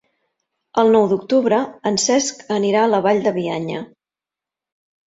El nou d'octubre en Cesc anirà a la Vall de Bianya.